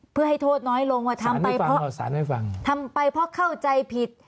เพื่อให้โทษน้อยลงทำไปเพราะเข้าใจผิด